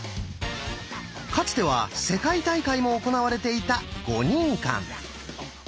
かつては世界大会も行われていた「ゴニンカン」。